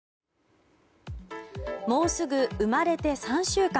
もうすぐ生まれて３週間。